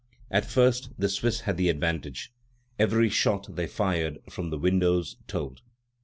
At first the Swiss had the advantage. Every shot they fired from the windows told.